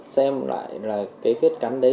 xem lại cái vết cắn đấy